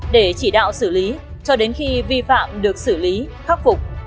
để chỉ đạo xử lý cho đến khi vi phạm được xử lý khắc phục